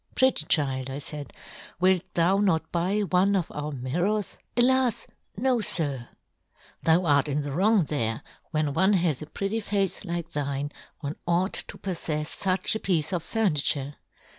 • Pretty child,' I faid, "' wilt thou not buy one of our " mirrors ?'* Alas ! no, fir.' * Thou " art in the wrong there, when one " has a pretty face like thine, one " ought to poflefs fuch a piece of " furniture.'